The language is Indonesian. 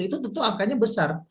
itu tentu akannya besar